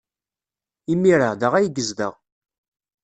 Imir-a, da ay yezdeɣ.